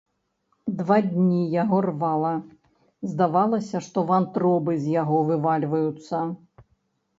Два дні яго рвала, здавалася, што вантробы з яго вывальваюцца.